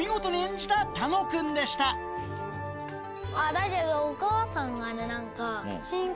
だけどお母さんが何か。